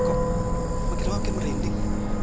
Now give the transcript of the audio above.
kau makin makin merinding